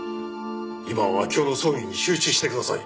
今は明生の葬儀に集中してください！